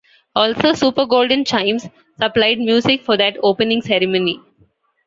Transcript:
Also Super Golden Chimes supplied music for that opening ceremony.